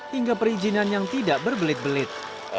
hingga perizinan yang tidak berbelit belit